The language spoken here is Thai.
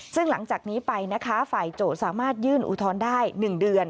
ซึ่งหลังจากนี้ไปนะคะฝ่ายโจทย์สามารถยื่นอุทธรณ์ได้๑เดือน